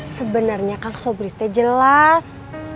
sebenernya kang sobrite jelas